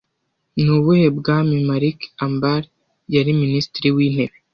Ni ubuhe bwami Malik Ambar yari Minisitiri w’intebe